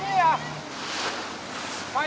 สวัสดีครับคุณผู้ชาย